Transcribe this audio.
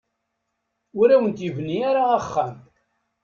Ur awent-yebni ara axxam.